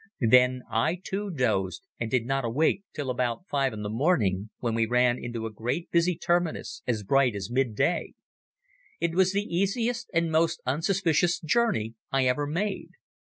Then I, too, dozed and did not awake till about five in the morning, when we ran into a great busy terminus as bright as midday. It was the easiest and most unsuspicious journey I ever made.